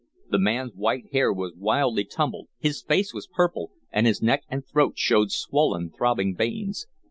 The man's white hair was wildly tumbled, his face was purple, and his neck and throat showed swollen, throbbing veins.